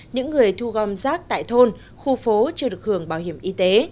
những người thu gom rác tại thôn khu phố chưa được hưởng bảo hiểm y tế